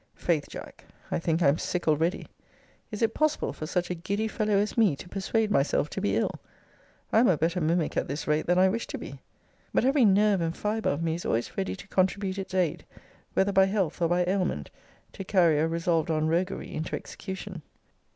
Faith, Jack, I think I am sick already. Is it possible for such a giddy fellow as me to persuade myself to be ill! I am a better mimic at this rate than I wish to be. But every nerve and fibre of me is always ready to contribute its aid, whether by health or by ailment, to carry a resolved on roguery into execution.